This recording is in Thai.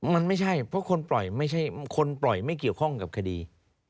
มันไม่ใช่เพราะคนปล่อยไม่เกี่ยวข้องกับคดี